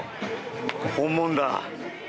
本物だ。